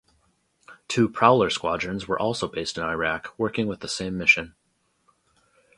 Two Prowler squadrons were also based in Iraq, working with the same mission.